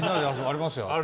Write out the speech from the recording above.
ありますよ。